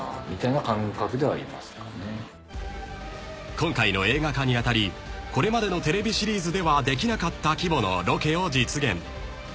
［今回の映画化に当たりこれまでのテレビシリーズではできなかった規模のロケを実現］